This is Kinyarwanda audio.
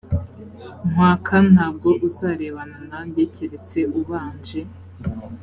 nkwaka ntabwo uzarebana nanjye keretse ubanje